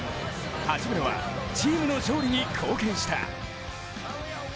八村はチームの勝利に貢献した。